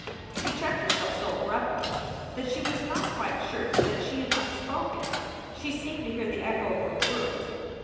She checked herself so abruptly that she was not quite sure that she had not spoken. She seemed to hear the echo of her words.